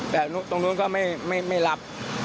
แต่ตรงนู้นก็ไม่รับ